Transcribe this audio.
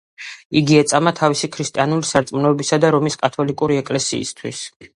იგი ეწამა თავისი ქრისტიანული სარწმუნოებისა და რომის კათოლიკური ეკლესიისთვის.